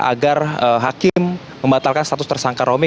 agar hakim membatalkan status tersangka romy